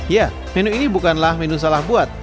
ya menu ini bukanlah menu salah buat